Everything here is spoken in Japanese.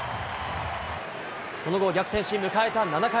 その後、逆転し、迎えた７回。